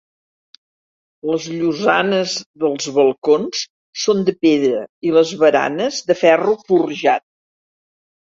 Les llosanes dels balcons són de pedra i les baranes de ferro forjat.